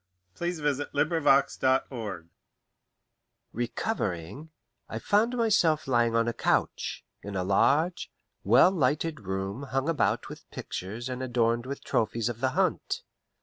A DANSEUSE AND THE BASTILE Recovering, I found myself lying on a couch, in a large, well lighted room hung about with pictures and adorned with trophies of the hunt.